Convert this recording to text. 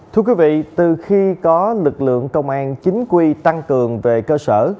thưa quý vị từ khi có lực lượng công an chính quy tăng cường về cơ sở